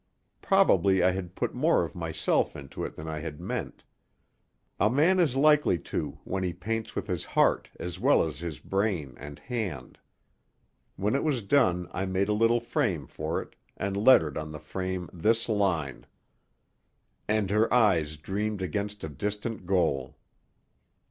Probably I had put more of myself into it than I had meant. A man is likely to when he paints with his heart as well as his brain and hand. When it was done I made a little frame for it, and lettered on the frame this line: "And her eyes dreamed against a distant goal."